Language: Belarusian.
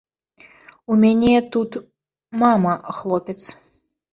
У мяне тут мама, хлопец.